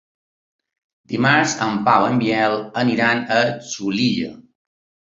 Dimarts en Pau i en Biel iran a Xulilla.